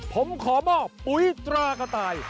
ผมขอมอบปุ๋ยตรากระต่าย